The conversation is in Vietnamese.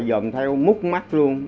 dồn theo múc mắt luôn